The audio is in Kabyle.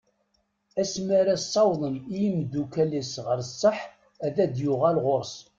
Asma ara sawḍen i umddakel-is ɣer sseḥ ad d-yuɣal ɣur-s.